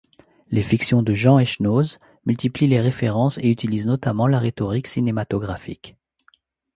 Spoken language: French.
Les fictions de Jean Echenoz multiplient les références et utilisent notamment la rhétorique cinématographique.